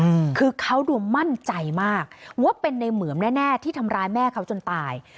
อืมคือเขาดูมั่นใจมากว่าเป็นในเหมืองแน่แน่ที่ทำร้ายแม่เขาจนตาย